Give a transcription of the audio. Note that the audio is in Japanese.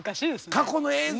過去の映像